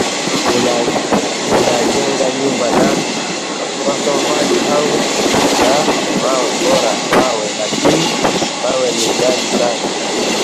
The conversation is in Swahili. Unajenja nyumba na matofali au na mawe. Bora mawe lakini mawe ni ghali sana.